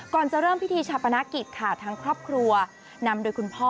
ก่อนจะเริ่มพิธีชาปนกิจค่ะทั้งครอบครัวนำโดยคุณพ่อ